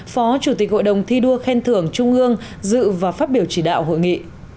phó chủ tịch hội đồng thi đua khen thưởng trung ương dự và phát biểu chỉ đạo hội nghị